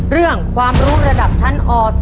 เรื่องความรู้ระดับชั้นอ๒